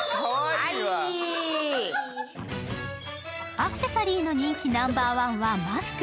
アクセサリーの人気ナンバーワンはマスク。